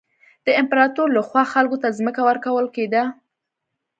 د امپراتور له خوا خلکو ته ځمکه ورکول کېده.